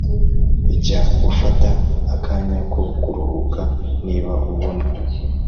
Jya ufata akanya ko kuruhuka Niba ubona